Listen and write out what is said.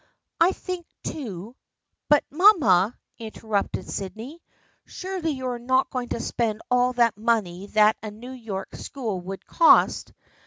I think, too "" But, mamma," interrupted Sydney, " surely you are not going to spend all that money that a New York school would cost